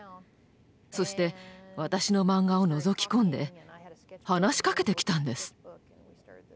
そして私のマンガをのぞき込んで話しかけてきたんです。